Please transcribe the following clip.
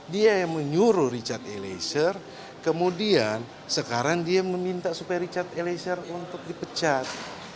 dia yang menguruh richard harrison kemudian sekarang dia mau minta richard harrison untuk dipecat